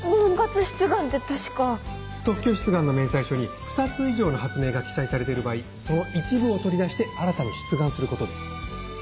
特許出願の明細書に２つ以上の発明が記載されている場合その一部を取り出して新たに出願することです